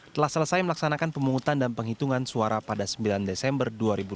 telah selesai melaksanakan pemungutan dan penghitungan suara pada sembilan desember dua ribu dua puluh